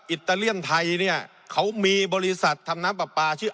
อิตาเลียนไทยเนี่ยเขามีบริษัททำน้ำปลาปลาชื่อ